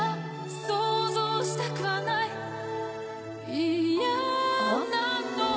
想像したくはない嫌なの